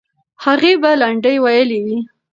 هغې به لنډۍ ویلې وي.